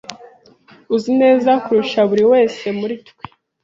Uzi neza kurusha buri wese muri twe.